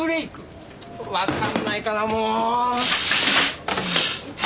わかんないかなもう！